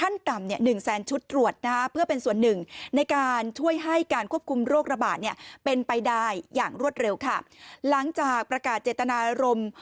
เนี่ยเป็นไปได้อย่างรวดเร็วค่ะหลังจากประกาศเจตนารมณ์